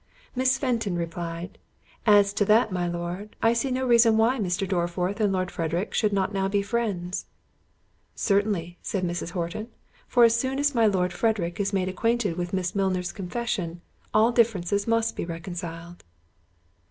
Miss Fenton replied, "As to that, my Lord, I see no reason why Mr. Dorriforth and Lord Frederick should not now be friends." "Certainly," said Mrs. Horton; "for as soon as my Lord Frederick is made acquainted with Miss Milner's confession, all differences must be reconciled."